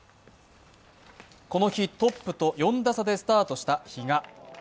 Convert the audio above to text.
この日トップと４打差でスタートした比嘉。